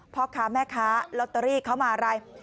พ่อค้าแม่ค้าลอตเตอรี่เขามาอะไร